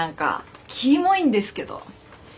キモいんですけど。